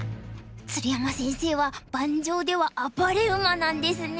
鶴山先生は盤上では「暴れ馬」なんですね。